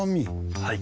はい。